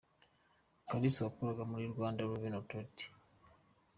-Kalisa wakoraga muri Rwanda revenue authority.